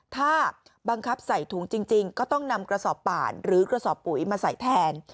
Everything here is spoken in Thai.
ถ้าบังคับใส่ถุงจริงก็ต้องนำกระสอบป่านหรือกระสอบปุ๋ยมาใส่แทน